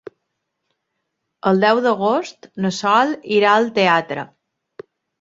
El deu d'agost na Sol irà al teatre.